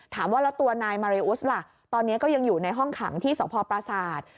ถามว่าแล้วตัวนายมาเรอุสล่ะตอนนี้ก็ยังอยู่ในห้องขังที่สพปราศาสตร์